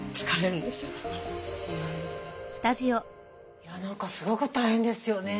いや何かすごく大変ですよね。